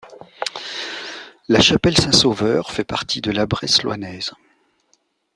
La Chapelle-Saint-Sauveur fait partie de la Bresse louhannaise.